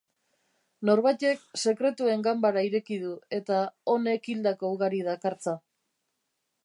Norbaitek sekretuen ganbara ireki du eta honek hildako ugari dakartza.